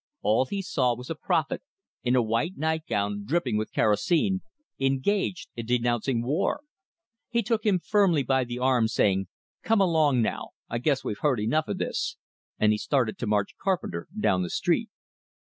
All he saw was a prophet, in a white nightgown dripping with kerosene, engaged in denouncing war! He took him firmly by the arm, saying, "Come along now! I guess we've heard enough o' this;" and he started to march Carpenter down the street.